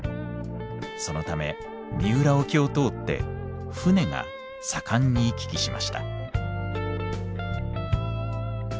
そのため三浦沖を通って舟が盛んに行き来しました。